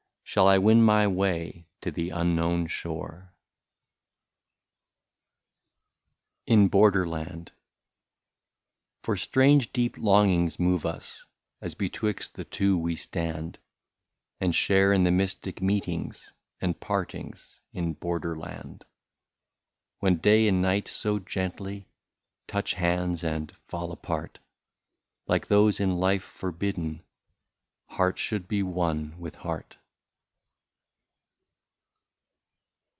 Shall I win my way to the unknown shore ? 204 IN BORDERLAND. For strange deep longings move us, As betwixt the two we stand, And share in the mystic meetings And partings in borderland ; When day and night so gently Touch hands, and fall apart, Like those in life forbidden, Heart should be one with heart.